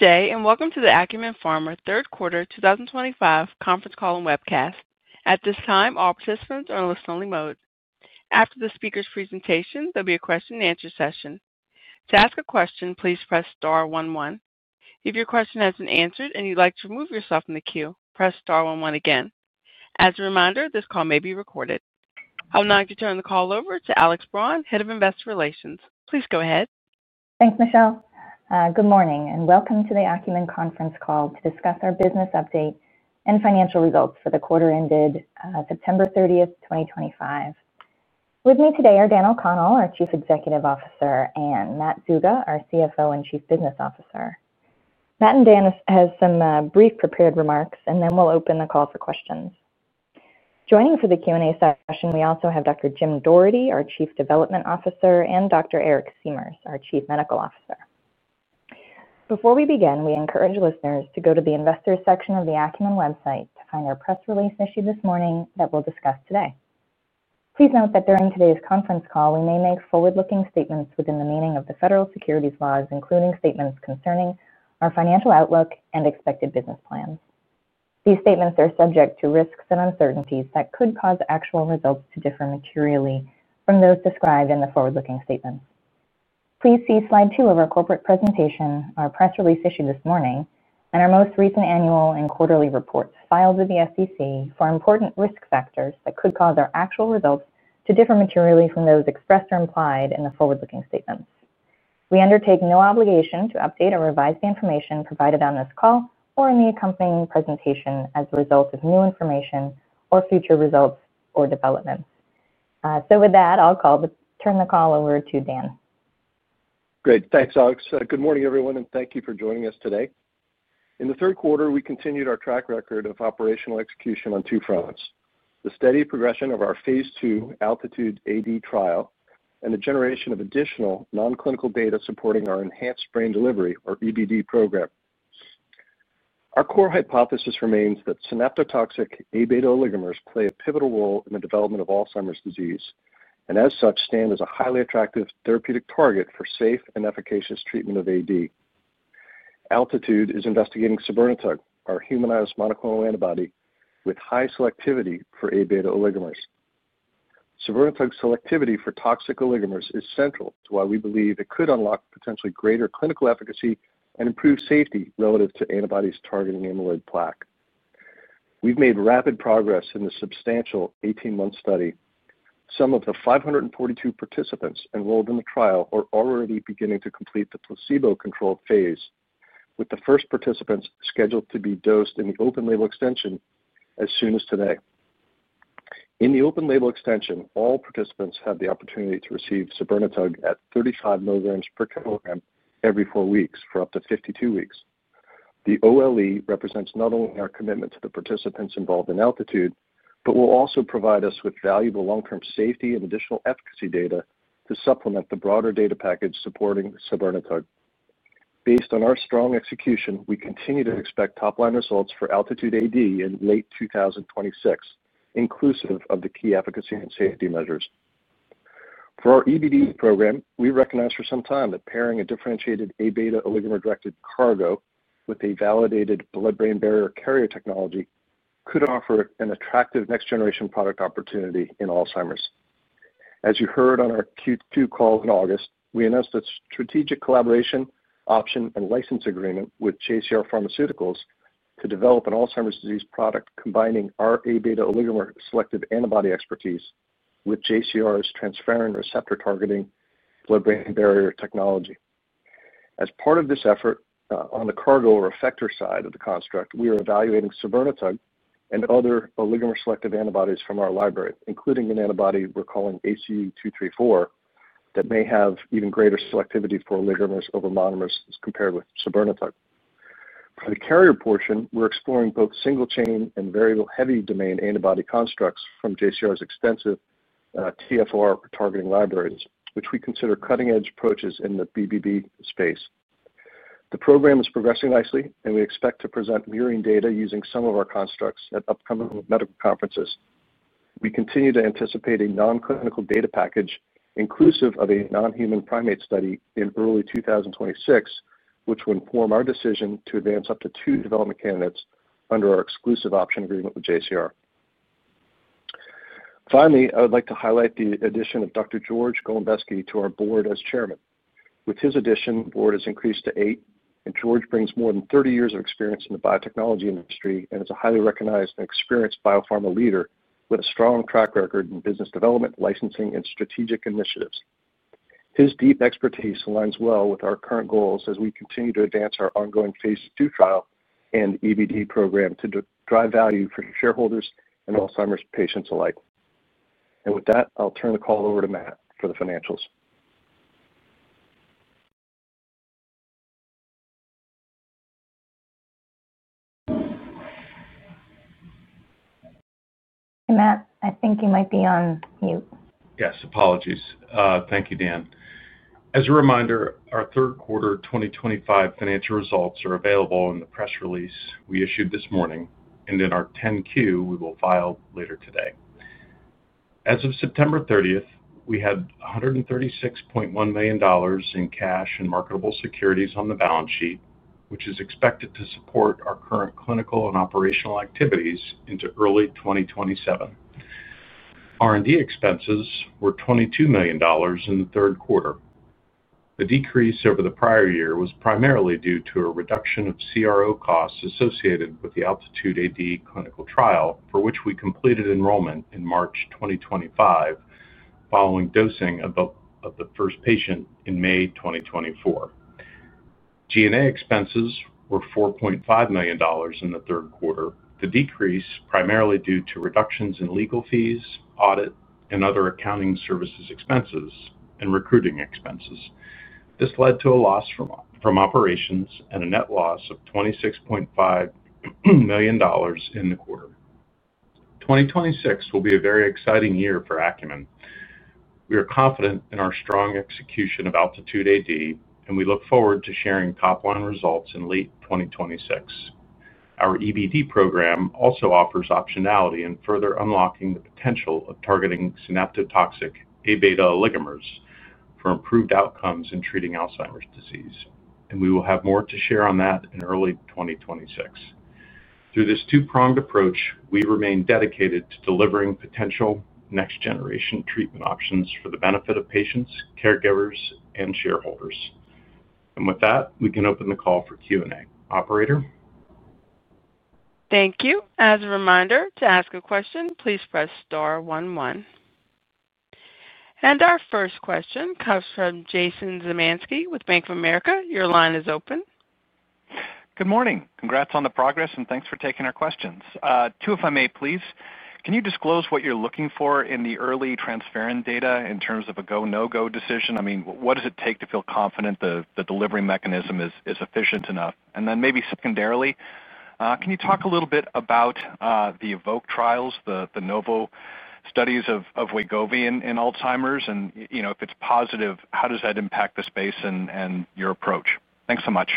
Good day, and welcome to the Acumen Pharma Third Quarter 2025 Conference Call and Webcast. At this time, all participants are in listen-only mode. After the speaker's presentation, there will be a question-and-answer session. To ask a question, please press star one one. If your question has not been answered and you would like to remove yourself from the queue, press star one one again. As a reminder, this call may be recorded. I will now turn the call over to Alex Braun, Head of Investor Relations. Please go ahead. Thanks, Michelle. Good morning, and welcome to the Acumen Conference Call to discuss our business update and financial results for the quarter ended September 30th, 2025. With me today are Dan O'Connell, our Chief Executive Officer, and Matt Zuga, our CFO and Chief Business Officer. Matt and Dan have some brief prepared remarks, and then we'll open the call for questions. Joining for the Q&A session, we also have Dr. Jim Doherty, our Chief Development Officer, and Dr. Eric Siemers, our Chief Medical Officer. Before we begin, we encourage listeners to go to the Investors section of the Acumen website to find our press release issued this morning that we'll discuss today. Please note that during today's conference call, we may make forward-looking statements within the meaning of the federal securities laws, including statements concerning our financial outlook and expected business plans. These statements are subject to risks and uncertainties that could cause actual results to differ materially from those described in the forward-looking statements. Please see slide two of our corporate presentation, our press release issued this morning, and our most recent annual and quarterly reports filed with the SEC for important risk factors that could cause our actual results to differ materially from those expressed or implied in the forward-looking statements. We undertake no obligation to update or revise the information provided on this call or in the accompanying presentation as a result of new information or future results or developments. With that, I'll turn the call over to Dan. Great. Thanks, Alex. Good morning, everyone, and thank you for joining us today. In the third quarter, we continued our track record of operational execution on two fronts: the steady progression of our phase II ALTITUDE-AD trial and the generation of additional non-clinical data supporting our Enhanced Brain Delivery, or EBD, program. Our core hypothesis remains that synaptotoxic A-beta oligomers play a pivotal role in the development of Alzheimer's disease and, as such, stand as a highly attractive therapeutic target for safe and efficacious treatment of AD. ALTITUDE is investigating sabirnetug, our humanized monoclonal antibody, with high selectivity for A-beta oligomers. Sabirnetug's selectivity for toxic oligomers is central to why we believe it could unlock potentially greater clinical efficacy and improve safety relative to antibodies targeting amyloid plaque. We've made rapid progress in the substantial 18-month study. Some of the 542 participants enrolled in the trial are already beginning to complete the placebo-controlled phase, with the first participants scheduled to be dosed in the open-label extension as soon as today. In the open-label extension, all participants have the opportunity to receive sabirnetug at 35 mg per kg every four weeks for up to 52 weeks. The OLE represents not only our commitment to the participants involved in ALTITUDE, but will also provide us with valuable long-term safety and additional efficacy data to supplement the broader data package supporting sabirnetug. Based on our strong execution, we continue to expect top-line results for ALTITUDE-AD in late 2026, inclusive of the key efficacy and safety measures. For our EBD program, we recognize for some time that pairing a differentiated A-beta oligomer-directed cargo with a validated blood-brain barrier carrier technology could offer an attractive next-generation product opportunity in Alzheimer's. As you heard on our Q2 call in August, we announced a strategic collaboration option and license agreement with JCR Pharmaceuticals to develop an Alzheimer's disease product combining our A-beta oligomer selective antibody expertise with JCR's transferrin receptor targeting blood-brain barrier technology. As part of this effort on the cargo or effector side of the construct, we are evaluating sabirnetug and other oligomer selective antibodies from our library, including an antibody we're calling ACU234 that may have even greater selectivity for oligomers over monomers as compared with sabirnetug. For the carrier portion, we're exploring both single-chain and variable-heavy-domain antibody constructs from JCR's extensive TFR targeting libraries, which we consider cutting-edge approaches in the BBB space. The program is progressing nicely, and we expect to present mirroring data using some of our constructs at upcoming medical conferences. We continue to anticipate a non-clinical data package inclusive of a non-human primate study in early 2026, which will inform our decision to advance up to two development candidates under our exclusive option agreement with JCR. Finally, I would like to highlight the addition of Dr. George Golembeski to our board as Chairman. With his addition, the board has increased to eight, and George brings more than 30 years of experience in the biotechnology industry and is a highly recognized and experienced biopharma leader with a strong track record in business development, licensing, and strategic initiatives. His deep expertise aligns well with our current goals as we continue to advance our ongoing phase II trial and EBD program to drive value for shareholders and Alzheimer's patients alike. I'll turn the call over to Matt for the financials. Hey, Matt. I think you might be on mute. Yes, apologies. Thank you, Dan. As a reminder, our third quarter 2025 financial results are available in the press release we issued this morning, and in our 10-Q, we will file later today. As of September 30th, we had $136.1 million in cash and marketable securities on the balance sheet, which is expected to support our current clinical and operational activities into early 2027. R&D expenses were $22 million in the third quarter. The decrease over the prior year was primarily due to a reduction of CRO costs associated with the ALTITUDE-AD clinical trial, for which we completed enrollment in March 2025, following dosing of the first patient in May 2024. G&A expenses were $4.5 million in the third quarter, the decrease primarily due to reductions in legal fees, audit, and other accounting services expenses and recruiting expenses. This led to a loss from operations and a net loss of $26.5 million in the quarter. 2026 will be a very exciting year for Acumen. We are confident in our strong execution of ALTITUDE-AD, and we look forward to sharing top-line results in late 2026. Our EBD program also offers optionality in further unlocking the potential of targeting synaptotoxic A-beta oligomers for improved outcomes in treating Alzheimer's disease, and we will have more to share on that in early 2026. Through this two-pronged approach, we remain dedicated to delivering potential next-generation treatment options for the benefit of patients, caregivers, and shareholders. We can open the call for Q&A. Operator. Thank you. As a reminder, to ask a question, please press star one one. Our first question comes from Jason Zemansky with Bank of America. Your line is open. Good morning. Congrats on the progress, and thanks for taking our questions. Two, if I may, please. Can you disclose what you're looking for in the early transferrin data in terms of a go, no-go decision? I mean, what does it take to feel confident the delivery mechanism is efficient enough? Then maybe secondarily, can you talk a little bit about the EVOKE trials, the Novo studies of Wegovy in Alzheimer's? If it's positive, how does that impact the space and your approach? Thanks so much.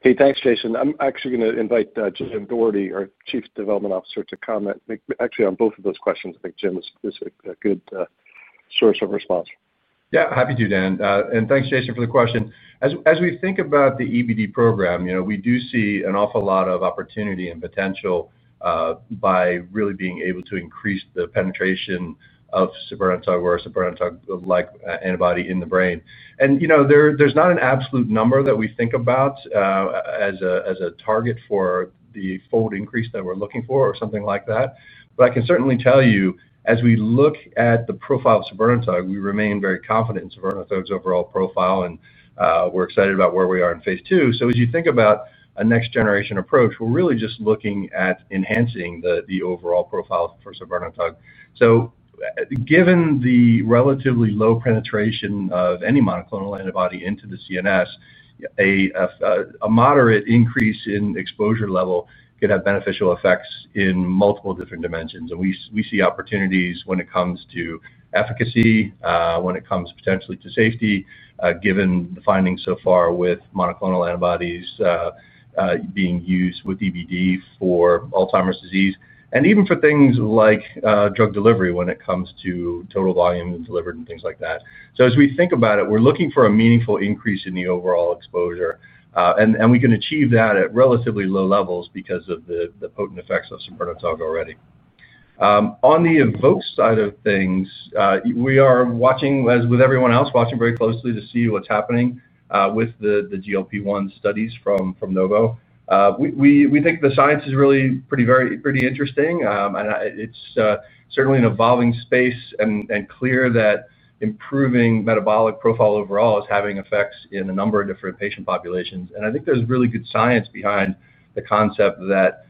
Hey, thanks, Jason. I'm actually going to invite Jim Doherty, our Chief Development Officer, to comment actually on both of those questions. I think Jim is a good source of response. Yeah, happy to, Dan. Thanks, Jason, for the question. As we think about the EBD program, we do see an awful lot of opportunity and potential by really being able to increase the penetration of sabirnetug or a sabirnetug-like antibody in the brain. There's not an absolute number that we think about as a target for the full increase that we're looking for or something like that. I can certainly tell you, as we look at the profile of sabirnetug, we remain very confident in sabirnetug's overall profile, and we're excited about where we are in phase II. As you think about a next-generation approach, we're really just looking at enhancing the overall profile for sabirnetug. Given the relatively low penetration of any monoclonal antibody into the CNS, a moderate increase in exposure level could have beneficial effects in multiple different dimensions. We see opportunities when it comes to efficacy, when it comes potentially to safety, given the findings so far with monoclonal antibodies being used with EBD for Alzheimer's disease, and even for things like drug delivery when it comes to total volume delivered and things like that. As we think about it, we're looking for a meaningful increase in the overall exposure, and we can achieve that at relatively low levels because of the potent effects of sabirnetug already. On the EVOKE side of things, we are watching, as with everyone else, watching very closely to see what's happening with the GLP-1 studies from Novo Nordisk. We think the science is really pretty interesting, and it's certainly an evolving space, and clear that improving metabolic profile overall is having effects in a number of different patient populations. I think there's really good science behind the concept that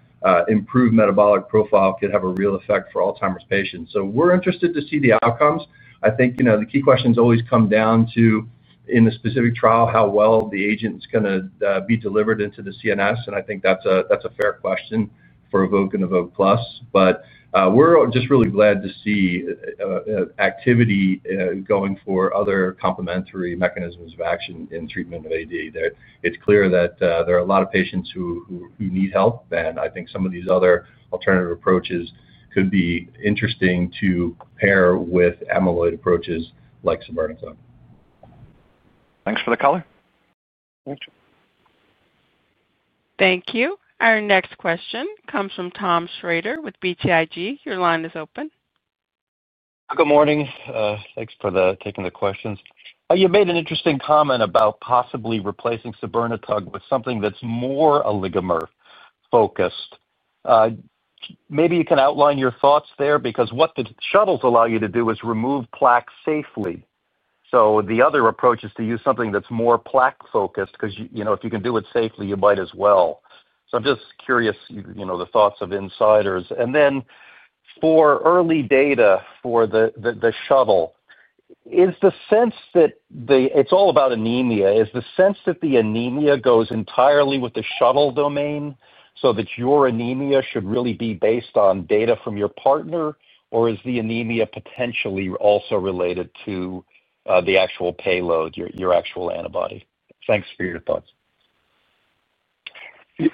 improved metabolic profile could have a real effect for Alzheimer's patients. We're interested to see the outcomes. I think the key questions always come down to, in the specific trial, how well the agent is going to be delivered into the CNS, and I think that's a fair question for EVOKE and EVOKE+. We're just really glad to see activity going for other complementary mechanisms of action in treatment of AD. It's clear that there are a lot of patients who need help, and I think some of these other alternative approaches could be interesting to pair with amyloid approaches like sabirnetug. Thanks for the color. Thank you. Thank you. Our next question comes from Tom Schrader with BTIG. Your line is open. Good morning. Thanks for taking the questions. You made an interesting comment about possibly replacing sabirnetug with something that's more oligomer-focused. Maybe you can outline your thoughts there because what the shuttles allow you to do is remove plaque safely. The other approach is to use something that's more plaque-focused because if you can do it safely, you might as well. I'm just curious the thoughts of insiders. For early data for the shuttle, is the sense that it's all about anemia; is the sense that the anemia goes entirely with the shuttle domain so that your anemia should really be based on data from your partner, or is the anemia potentially also related to the actual payload, your actual antibody? Thanks for your thoughts.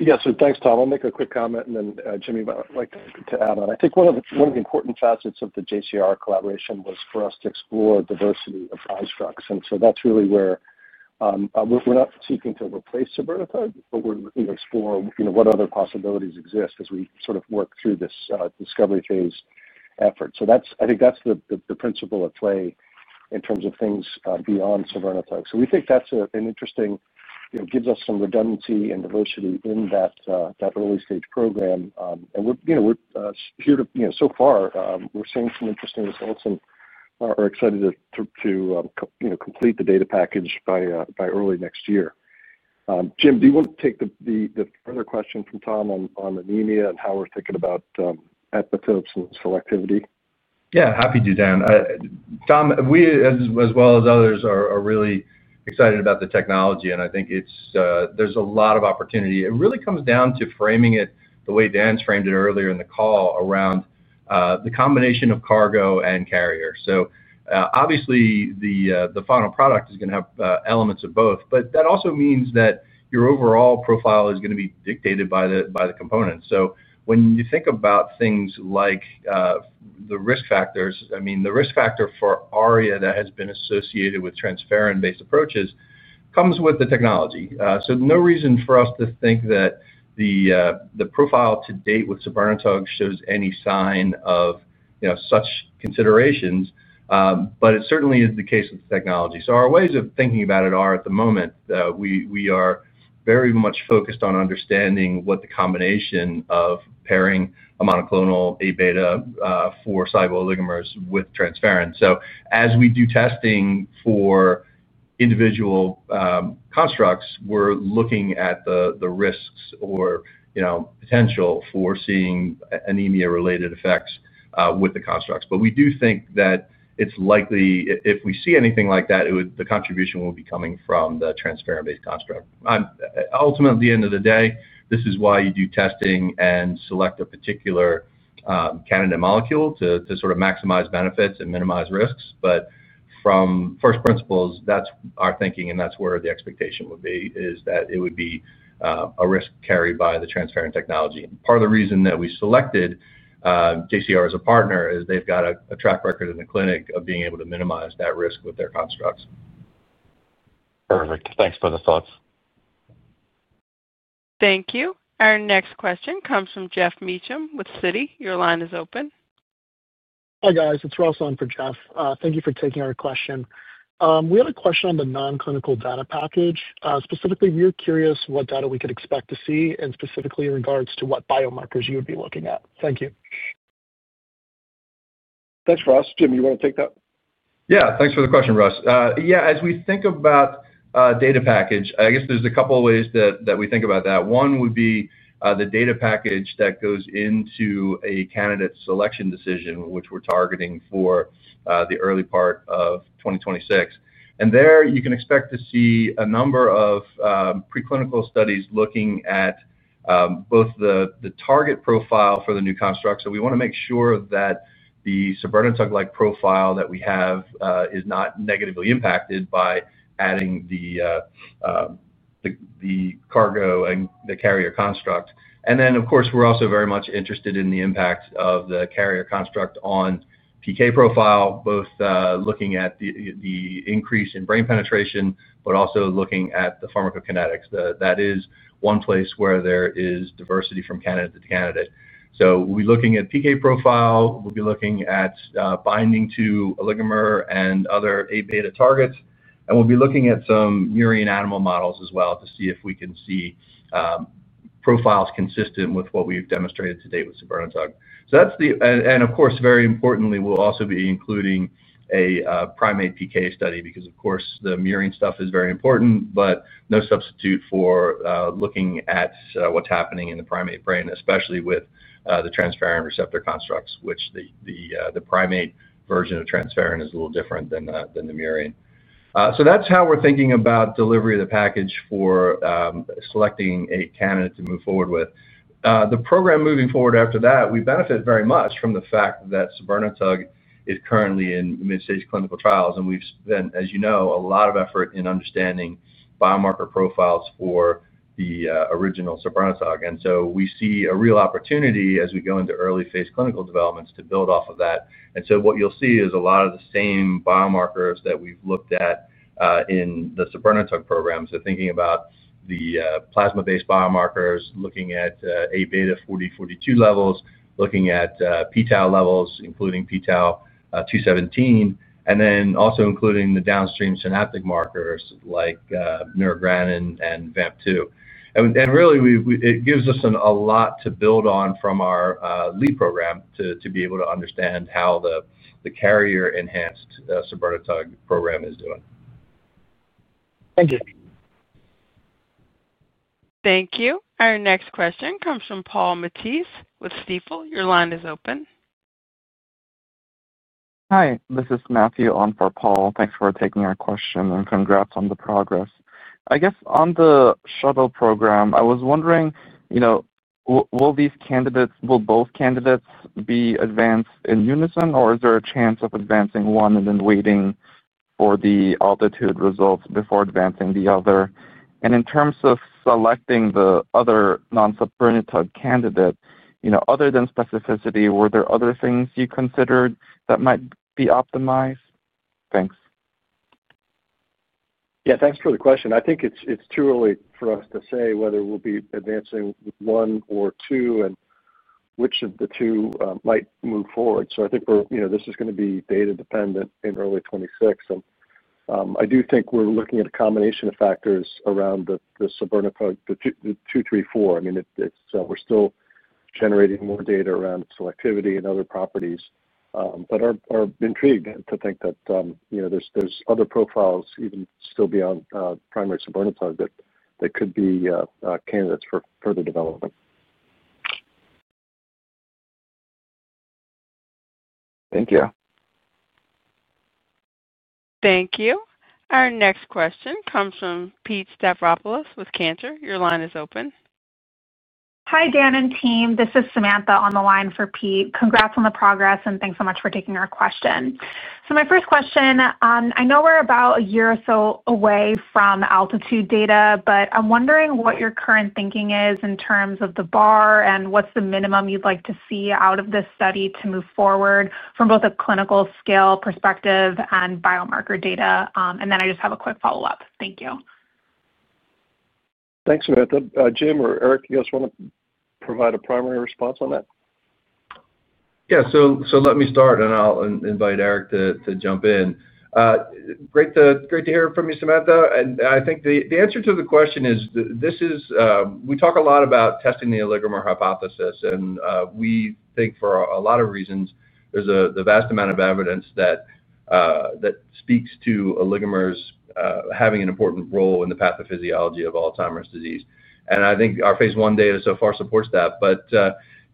Yes, thanks, Tom. I'll make a quick comment, and then Jim would like to add on. I think one of the important facets of the JCR collaboration was for us to explore diversity of constructs. That is really where we're not seeking to replace sabirnetug, but we're looking to explore what other possibilities exist as we sort of work through this discovery phase effort. I think that's the principle at play in terms of things beyond sabirnetug. We think that's interesting—it gives us some redundancy and diversity in that early-stage program. So far, we're seeing some interesting results and are excited to complete the data package by early next year. Jim, do you want to take the further question from Tom on anemia and how we're thinking about epitopes and selectivity? Yeah, happy to, Dan. Tom, we, as well as others, are really excited about the technology, and I think there's a lot of opportunity. It really comes down to framing it the way Dan's framed it earlier in the call around the combination of cargo and carrier. Obviously, the final product is going to have elements of both, but that also means that your overall profile is going to be dictated by the components. When you think about things like the risk factors, I mean, the risk factor for ARIA that has been associated with transferrin-based approaches comes with the technology. No reason for us to think that the profile to date with sabirnetug shows any sign of such considerations, but it certainly is the case with the technology. Our ways of thinking about it are, at the moment, we are very much focused on understanding what the combination of pairing a monoclonal A-beta for soluble oligomers with transferrin is. As we do testing for individual constructs, we're looking at the risks or potential for seeing anemia-related effects with the constructs. We do think that it's likely if we see anything like that, the contribution will be coming from the transferrin-based construct. Ultimately, at the end of the day, this is why you do testing and select a particular candidate molecule to sort of maximize benefits and minimize risks. From first principles, that's our thinking, and that's where the expectation would be, that it would be a risk carried by the transferrin technology. Part of the reason that we selected JCR as a partner is they've got a track record in the clinic of being able to minimize that risk with their constructs. Perfect. Thanks for the thoughts. Thank you. Our next question comes from Geoff Meacham with Citi. Your line is open. Hi guys, it's Ross on for Geoff. Thank you for taking our question. We have a question on the non-clinical data package. Specifically, we're curious what data we could expect to see and specifically in regards to what biomarkers you would be looking at. Thank you. Thanks, Ross. Jim, you want to take that? Yeah, thanks for the question, Ross. Yeah, as we think about data package, I guess there's a couple of ways that we think about that. One would be the data package that goes into a candidate selection decision, which we're targeting for the early part of 2026. There, you can expect to see a number of preclinical studies looking at both the target profile for the new construct. We want to make sure that the sabirnetug-like profile that we have is not negatively impacted by adding the cargo and the carrier construct. Of course, we're also very much interested in the impact of the carrier construct on PK profile, both looking at the increase in brain penetration, but also looking at the pharmacokinetics. That is one place where there is diversity from candidate to candidate. We'll be looking at PK profile, we'll be looking at binding to oligomer and other A-beta targets, and we'll be looking at some murine animal models as well to see if we can see profiles consistent with what we've demonstrated to date with sabirnetug. Of course, very importantly, we'll also be including a primate PK study because, of course, the murine stuff is very important, but no substitute for looking at what's happening in the primate brain, especially with the transferrin receptor constructs, which the primate version of transferrin is a little different than the murine. That's how we're thinking about delivery of the package for selecting a candidate to move forward with. The program moving forward after that, we benefit very much from the fact that sabirnetug is currently in mid-stage clinical trials, and we've spent, as you know, a lot of effort in understanding biomarker profiles for the original sabirnetug. We see a real opportunity as we go into early-phase clinical developments to build off of that. What you'll see is a lot of the same biomarkers that we've looked at in the sabirnetug program. Thinking about the plasma-based biomarkers, looking at A-beta 40/42 levels, looking at pTau levels, including pTau217, and then also including the downstream synaptic markers like neurogranin and VAMP2. It gives us a lot to build on from our lead program to be able to understand how the carrier-enhanced sabirnetug program is doing. Thank you. Thank you. Our next question comes from Paul Matisse with Stifel. Your line is open. Hi, this is Matthew on for Paul. Thanks for taking our question and congrats on the progress. I guess on the shuttle program, I was wondering, will both candidates be advanced in unison, or is there a chance of advancing one and then waiting for the ALTITUDE results before advancing the other? In terms of selecting the other non-sabirnetug candidate, other than specificity, were there other things you considered that might be optimized? Thanks. Yeah, thanks for the question. I think it's too early for us to say whether we'll be advancing one or two and which of the two might move forward. I think this is going to be data-dependent in early 2026. I do think we're looking at a combination of factors around the ACU234. I mean, we're still generating more data around selectivity and other properties, but I'm intrigued to think that there's other profiles even still beyond primary sabirnetug that could be candidates for further development. Thank you. Thank you. Our next question comes from Pete Stavropoulos with Cantor. Your line is open. Hi, Dan and team. This is Samantha on the line for Pete. Congrats on the progress, and thanks so much for taking our question. My first question, I know we're about a year or so away from ALTITUDE data, but I'm wondering what your current thinking is in terms of the bar and what's the minimum you'd like to see out of this study to move forward from both a clinical scale perspective and biomarker data. I just have a quick follow-up. Thank you. Thanks, Samantha. Jim or Eric, you guys want to provide a primary response on that? Yeah, so let me start, and I'll invite Eric to jump in. Great to hear from you, Samantha. I think the answer to the question is this is we talk a lot about testing the oligomer hypothesis, and we think for a lot of reasons there's the vast amount of evidence that speaks to oligomers having an important role in the pathophysiology of Alzheimer's disease. I think our phase I data so far supports that.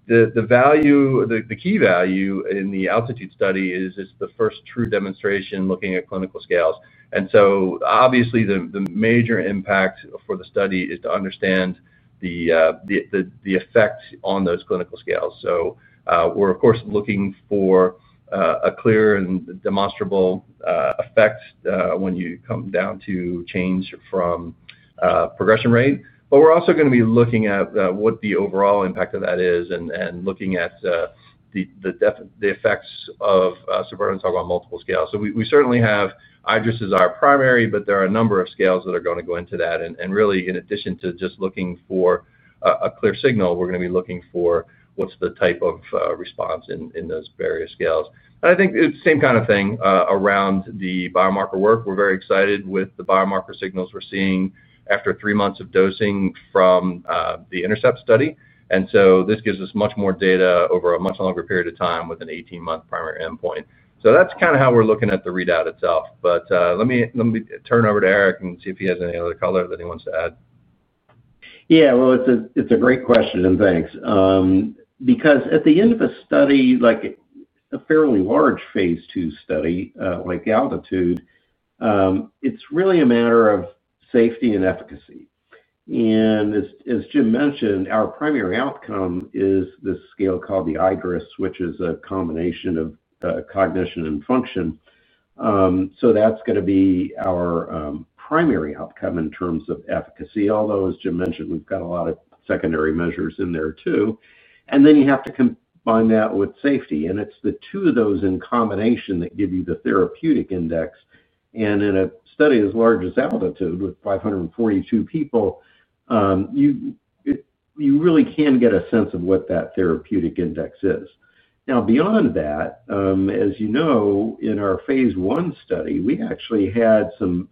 The key value in the ALTITUDE study is it's the first true demonstration looking at clinical scales. Obviously, the major impact for the study is to understand the effects on those clinical scales. We're, of course, looking for a clear and demonstrable effect when you come down to change from progression rate. We're also going to be looking at what the overall impact of that is and looking at the effects of sabirnetug on multiple scales. We certainly have iADRS as our primary, but there are a number of scales that are going to go into that. Really, in addition to just looking for a clear signal, we're going to be looking for what's the type of response in those various scales. I think it's the same kind of thing around the biomarker work. We're very excited with the biomarker signals we're seeing after three months of dosing from the INTERCEPT study. This gives us much more data over a much longer period of time with an 18-month primary endpoint. That's kind of how we're looking at the readout itself. Let me turn over to Eric and see if he has any other color that he wants to add. Yeah, it's a great question, and thanks. Because at the end of a study, like a fairly large phase II study like ALTITUDE, it's really a matter of safety and efficacy. As Jim mentioned, our primary outcome is this scale called the iADRS, which is a combination of cognition and function. That's going to be our primary outcome in terms of efficacy, although, as Jim mentioned, we've got a lot of secondary measures in there too. You have to combine that with safety. It's the two of those in combination that give you the therapeutic index. In a study as large as ALTITUDE with 542 people, you really can get a sense of what that therapeutic index is. Now, beyond that, as you know, in our phase I study, we actually had some,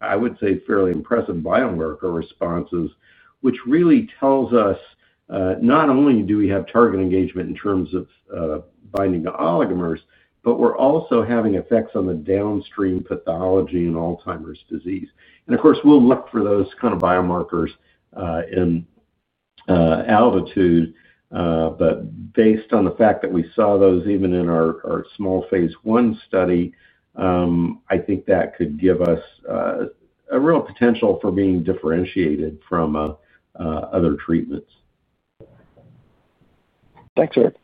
I would say, fairly impressive biomarker responses, which really tells us not only do we have target engagement in terms of binding to oligomers, but we're also having effects on the downstream pathology in Alzheimer's disease. Of course, we'll look for those kind of biomarkers in ALTITUDE. Based on the fact that we saw those even in our small phase I study, I think that could give us a real potential for being differentiated from other treatments. Thanks, Eric.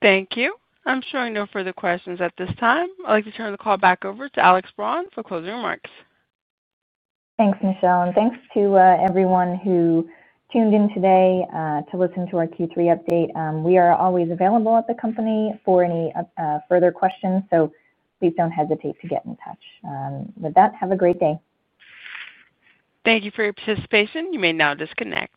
Thank you. I'm sure no further questions at this time. I'd like to turn the call back over to Alex Braun for closing remarks. Thanks, Michelle. Thanks to everyone who tuned in today to listen to our Q3 update. We are always available at the company for any further questions, so please do not hesitate to get in touch. With that, have a great day. Thank you for your participation. You may now disconnect.